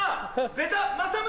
ベタ政宗！